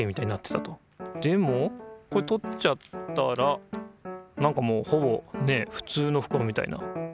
でもこれ取っちゃったらなんかもうほぼねっふつうのふくろみたいな。